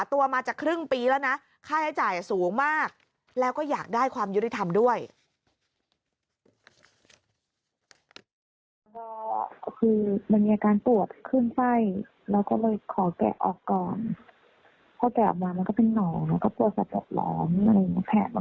๑๙๑๙ตัวเหมือทุบแบบว่าขอขอให้ใช้ค่าเสียหายครับอ่าตรงแผ่น